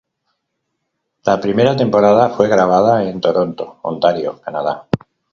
La primera temporada fue grabada en Toronto, Ontario, Canadá.